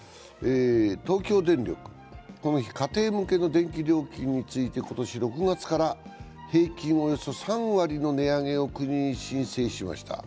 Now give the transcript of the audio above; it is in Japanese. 東京電力、この日、家庭向けの電気料金について今年６月から平均およそ３割の値上げを国に申請しました。